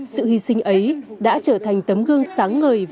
sự hy sinh ấy đã trở thành tấm gương sáng ngời